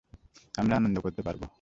আমরা আনন্দ করতে পারব।